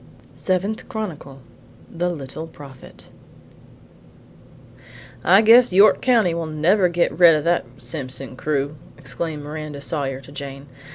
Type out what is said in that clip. Seventh Chronicle. THE LITTLE PROPHET I "I guess York County will never get red of that Simpson crew!" exclaimed Miranda Sawyer to Jane.